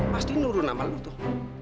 pasti nurun sama lu tuh